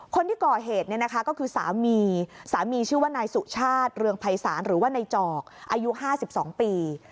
คนที่ก่อเหตุเนี่ยนะคะก็คือสามีสามีชื่อว่านายสุชาติเรืองภัยศาลหรือว่านายจอกอายุ๕๒ปี